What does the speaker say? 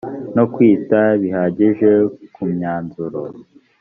no kwita bihagije ku myanzuro